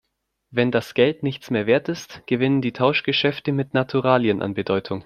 Wenn das Geld nichts mehr Wert ist, gewinnen Tauschgeschäfte mit Naturalien an Bedeutung.